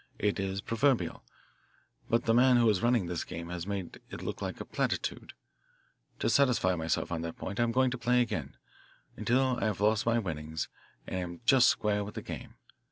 It is proverbial, but the man who is running this game has made it look like a platitude. To satisfy myself on that point I am going to play again until I have lost my winnings and am just square with the game.